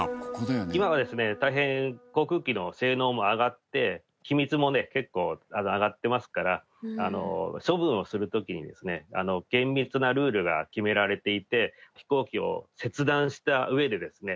今はですね大変航空機の性能も上がって機密もね結構上がってますから処分をする時にですね厳密なルールが決められていて飛行機を切断した上でですね